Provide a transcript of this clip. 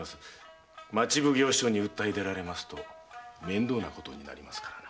町奉行所に訴え出られますと面倒なことになりますからな。